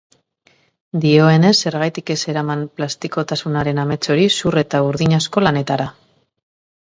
Dioenez, zergatik ez eraman plastikotasunaren amets hori zur eta burdinazko lanetara?